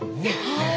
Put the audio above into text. はい。